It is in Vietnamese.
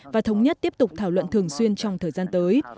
và thống nhất tiếp tục thảo luận thường xuyên trong thời gian tới